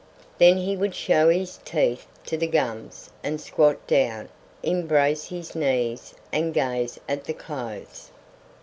Then he would show his teeth to the gums and squat down, embrace his knees, and gaze at the clothes.